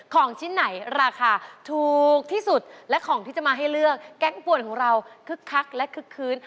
ของชิ้นไหนราคาถูกที่สุดและของที่จะมาให้เลือกแก๊งป่วนของเราคึกคักและคึกคืน